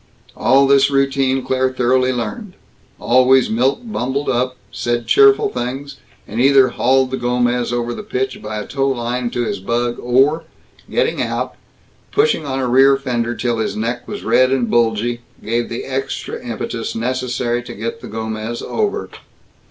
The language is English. All this routine Claire thoroughly learned. Always Milt bumbled up, said cheerful things, and either hauled the Gomez over the pitch by a towline to his bug, or getting out, pushing on a rear fender till his neck was red and bulgy, gave the extra impetus necessary to get the Gomez over.